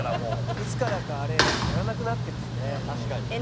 いつからかあれやらなくなってるしね。